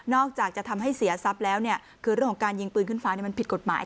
อกจากจะทำให้เสียทรัพย์แล้วคือเรื่องของการยิงปืนขึ้นฟ้ามันผิดกฎหมาย